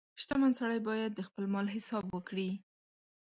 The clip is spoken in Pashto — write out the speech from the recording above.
• شتمن سړی باید د خپل مال حساب وکړي.